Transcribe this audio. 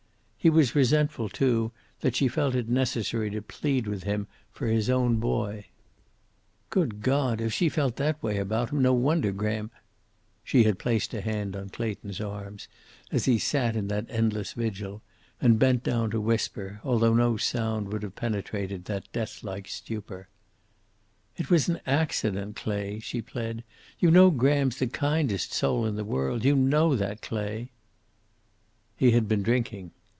He was resentful, too, that she felt it necessary to plead with him for his own boy. Good God, if she felt that way about him, no wonder Graham She had placed a hand on Clayton's arm, as he sat in that endless vigil, and bent down to whisper, although no sound would have penetrated that death like stupor. "It was an accident, Clay," she pled. "You know Graham's the kindest soul in the world. You know that, Clay." "He had been drinking."